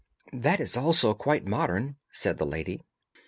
"That is also quite modern," said the lady.